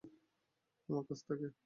আমার কাজ থাকে।